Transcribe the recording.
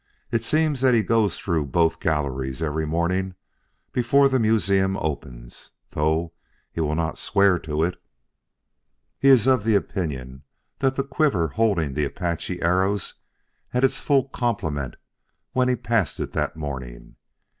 It seems that he goes through both galleries every morning before the museum opens. Though he will not swear to it, he is of the opinion that the quiver holding the Apache arrows had its full complement when he passed it that morning.